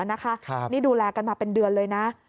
นี่ดูแลกันมาเป็นเดือนเลยนะ